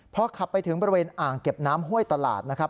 พอขับไปถึงบริเวณอ่างเก็บน้ำห้วยตลาดนะครับ